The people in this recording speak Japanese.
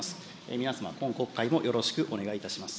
皆様、今国会もよろしくお願いいたします。